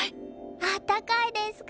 あったかいですか？